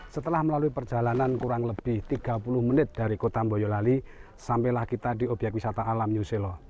setelah melalui perjalanan kurang lebih tiga puluh menit dari kota boyolali sampailah kita di obyek wisata alam new zelo